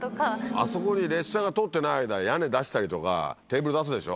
あそこに列車が通ってない間屋根出したりとかテーブル出すでしょ。